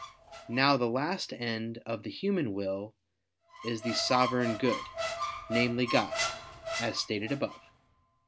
Now the last end of the human will is the Sovereign Good, namely, God, as stated above (Q.